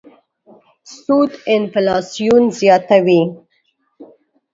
سود انفلاسیون زیاتوي.